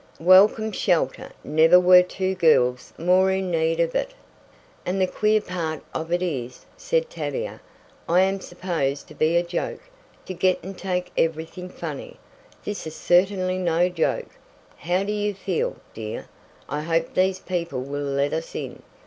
Welcome shelter! Never were two girls more in need of it. "And the queer part of it is," said Tavia, "I am supposed to be a joke to get and take everything funny. This is certainly no joke. How do you feel, dear? I hope these people will let us in.